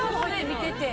見てて。